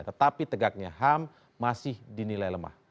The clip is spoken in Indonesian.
tetapi tegaknya ham masih dinilai lemah